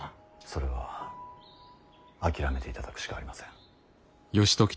それは諦めていただくしかありません。